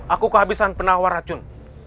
aku kehabisan penawar racun